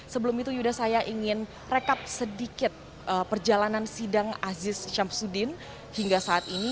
sebelum itu saya ingin rekap sedikit perjalanan sidang asis samsudin hingga saat ini